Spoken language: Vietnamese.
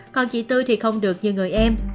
còn chị tươi thì không được như người em